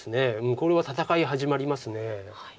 これは戦い始まります。